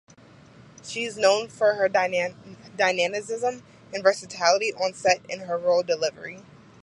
She is known for her dynamism and versatility on set in her role delivery.